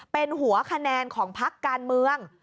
เป็นหัวคะแนนของพักการเมือง